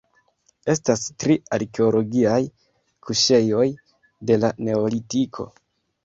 Estas tri arkeologiaj kuŝejoj de la Neolitiko.